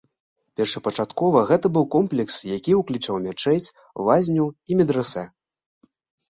Першапачаткова гэта быў комплекс, які ўключаў мячэць, лазню і медрэсэ.